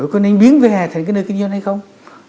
có nên biến vẻ hẻ thành cái nơi kinh doanh hay không